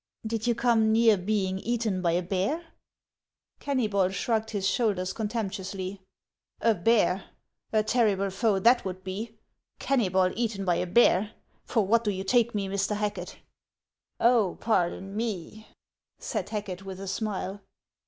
" Did you come near being eaten by a bear ?" Kenuybol shrugged his shoulders contemptuously. li A bear ! a terrible foe that would be ! Kennybol eaten by a bear ! For what do you take me, Mr. Hacket ?"" Oh, pardon me !" said Hacket, with a smile.